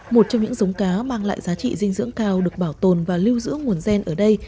một trong những giống cá mang lại giá trị dinh dưỡng cao được bảo tồn và lưu giữ nguồn gen ở đây